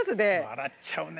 笑っちゃうね。